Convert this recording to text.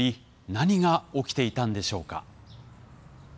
何が起きていたんでしょうか？